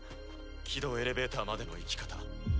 軌道エレベーターまでの行き方。